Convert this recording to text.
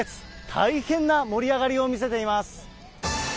大変な盛り上がりを見せています。